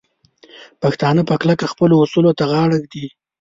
پښتانه په کلکه خپلو اصولو ته غاړه ږدي.